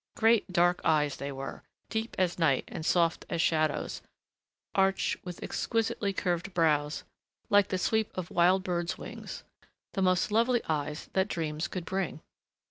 Great dark eyes they were, deep as night and soft as shadows, arched with exquisitely curved brows like the sweep of wild birds' wings.... The most lovely eyes that dreams could bring.